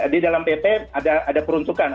di dalam pp ada peruntukan